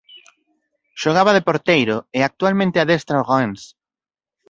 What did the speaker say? Xogaba de porteiro e actualmente adestra o Rennes.